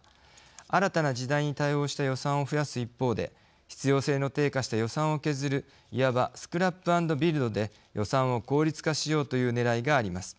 新たな時代に対応した予算を増やす一方で必要性の低下した予算を削るいわばスクラップ＆ビルドで予算を効率化しようというねらいがあります。